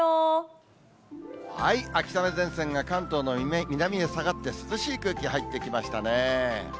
秋雨前線が関東の南へ下がって、涼しい空気入ってきましたね。